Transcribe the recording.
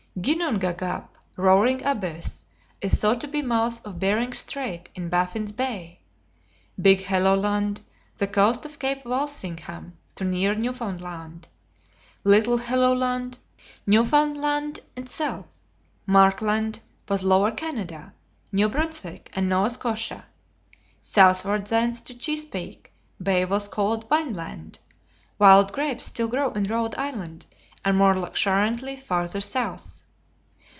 Ginnungagap (Roaring Abyss) is thought to be the mouth of Behring's Straits in Baffin's Bay; Big Helloland, the coast from Cape Walsingham to near Newfoundland; Little Helloland, Newfoundland itself. Markland was Lower Canada, New Brunswick, and Nova Scotia. Southward thence to Chesapeake Bay was called Wine Land (wild grapes still grow in Rhode Island, and more luxuriantly further south).